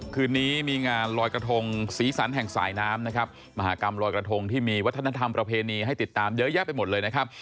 คืนนี้มีงานลอยกระทงสีสันแห่งสายน้ำนะครับมหากรรมลอยกระทงที่มีวัฒนธรรมประเพณีให้ติดตามเยอะแยะไปหมดเลยนะครับ